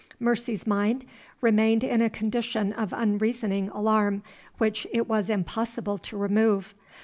Mercy's mind remained in a condition of unreasoning alarm, which it was impossible to remove.